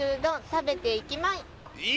「食べて行きまい！」